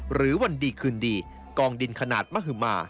วันดีคืนดีกองดินขนาดมหมา